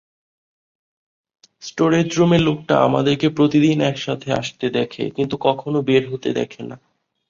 Storage রুমের লোকটা আমাদেরকে প্রতিদিন একসাথে আসতে দেখে কিন্তু কখনও বের হতে দেখে না।